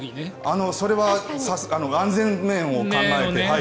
それは安全面を考えて。